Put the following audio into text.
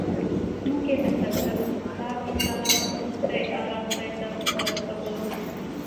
موږ یې د حضرت موسی علیه السلام وروستي ارام ځای ته ورسولو.